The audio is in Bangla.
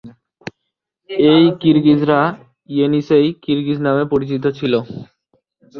এই কিরগিজরা ইয়েনিসেই কিরগিজ নামে পরিচিত ছিল।